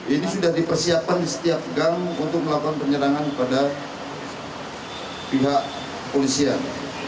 ini sudah dipersiapkan di setiap gang untuk melakukan penyerangan kepada pihak polisian